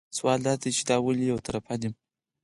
سوال دا دی چې دا ولې یو طرفه دي.